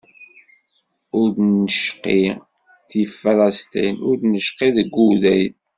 Ur d-necqi di Falasṭin, ur d-necqi deg Wudayen.